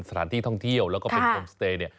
สถานที่ท่องเที่ยวแล้วกมสเตย